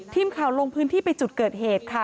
ทีมข่าวลงพื้นที่ไปจุดเกิดเหตุค่ะ